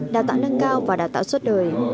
đào tạo nâng cao và đào tạo suốt đời